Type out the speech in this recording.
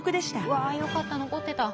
うわよかった残ってた。